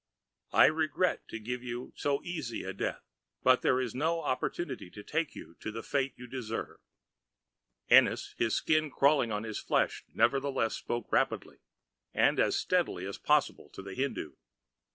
"I regret to give you so easy a death, but there is no opportunity to take you to the fate you deserve." Ennis, his skin crawling on his flesh, nevertheless spoke rapidly and as steadily as possible to the Hindoo.